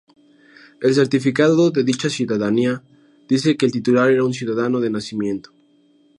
El Certificado de dicha Ciudadanía dice que el titular era un ciudadano de nacimiento.